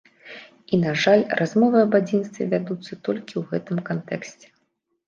І, на жаль, размовы аб адзінстве вядуцца толькі ў гэтым кантэксце.